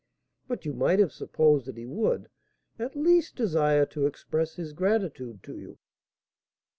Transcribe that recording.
"But you might have supposed that he would, at least, desire to express his gratitude to you."